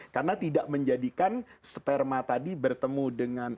karena tidak menjadikan sperma tadi bertemu dengan